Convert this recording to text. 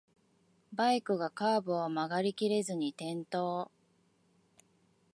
バイクがカーブを曲がりきれずに転倒